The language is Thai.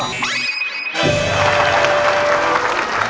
พี่น้องยุศรู้ก่อมั้ย